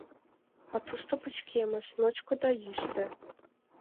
А тушто пычкемыш, ночко да йӱштӧ...